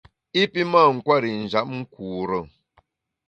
I pi mâ nkwer i njap nkure.